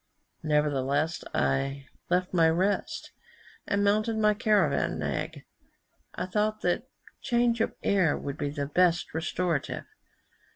Nevertheless I left my rest, and mounted my caravan nag; I thought that change of air would be the best restorative.